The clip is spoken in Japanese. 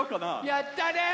やったね！